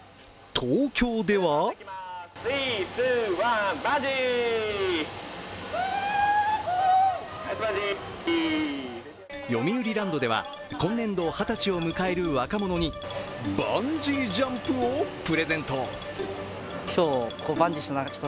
東京ではよみうりランドでは、今年度二十歳を迎える若者にバンジージャンプをプレゼント。